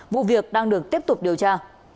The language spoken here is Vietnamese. vụ việc đang được tiếp tục điều tra